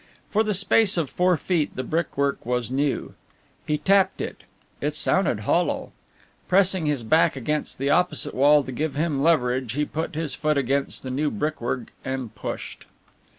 For the space of four feet the brickwork was new. He tapped it. It sounded hollow. Pressing his back against the opposite wall to give him leverage he put his foot against the new brickwork and pushed.